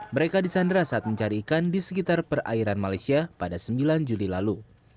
mereka disandra saat mencari ikan di sekitar perairan malaysia pada sembilan juli lalu